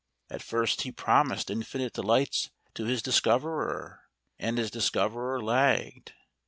At first he promised infinite delights to his discoverer and his discoverer lagged.